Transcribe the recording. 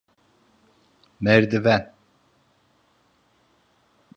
Merdiven…